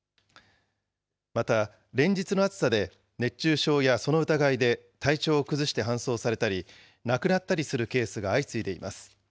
また、連日の暑さで熱中症やその疑いで体調を崩して搬送されたり、亡くなったりするケースが相次いでいます。